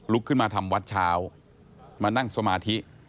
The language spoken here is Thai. ขึ้นมาทำวัดเช้ามานั่งสมาธิ